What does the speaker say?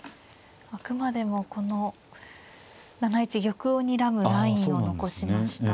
あくまでもこの７一玉をにらむラインを残しました。